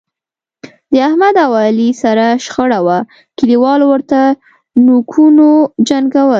د احمد او علي سره شخړه وه، کلیوالو ورته نوکونو جنګول.